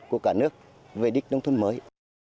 của cả nước về đích nông thôn mới